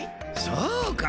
そうか！